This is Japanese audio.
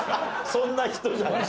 そんな人じゃない！